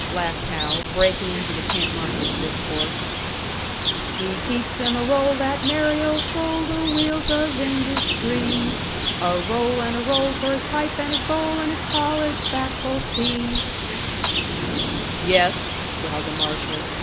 laughed Hal, breaking into the camp marshal's discourse "He keeps them a roll, that merry old soul The wheels of industree; A roll and a roll, for his pipe and his bowl And his college facultee!" "Yes," growled the marshal.